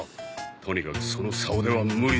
とにかくその竿では無理だ。